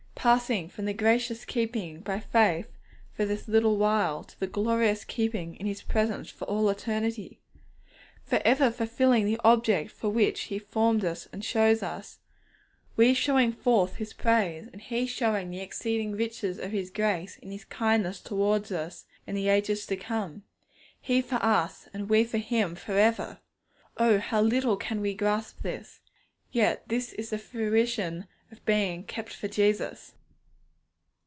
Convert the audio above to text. passing from the gracious keeping by faith for this little while, to the glorious keeping in His presence for all eternity! For ever fulfilling the object for which He formed us and chose us, we showing forth His praise, and He showing the exceeding riches of His grace in His kindness towards us in the ages to come! He for us, and we for Him for ever! Oh, how little we can grasp this! Yet this is the fruition of being 'kept for Jesus!'